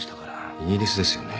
イギリスですよね。